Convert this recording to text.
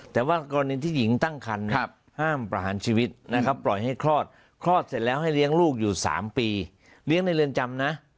แต่ว่ากรณีที่หญิงตั้งคันห้ามประหารชีวิตนะครับปล่อยให้คลอดคลอดเสร็จแล้วให้เลี้ยงลูกอยู่๓ปีเลี้ยงในเรือนจำนะ